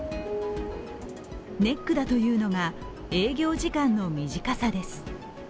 ネックだというのが営業時間の短さです。